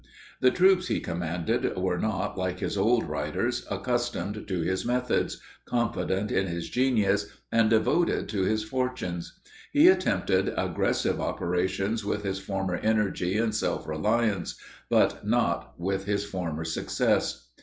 The troops he commanded were not, like his old riders, accustomed to his methods, confident in his genius, and devoted to his fortunes. He attempted aggressive operations with his former energy and self reliance, but not with his former success.